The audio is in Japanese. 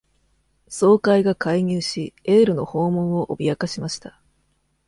総会が介入し、エールの「訪問」を脅かしました。